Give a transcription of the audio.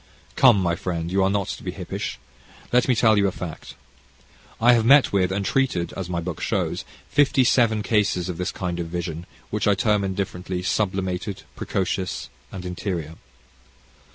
Come, my friend, you are not to be hippish. Let me tell you a fact. I have met with, and treated, as my book shows, fifty seven cases of this kind of vision, which I term indifferently "sublimated," "precocious," and "interior."